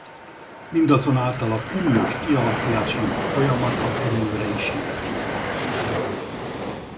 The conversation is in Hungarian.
Mindazonáltal a küllők kialakulásának folyamata egyelőre ismeretlen.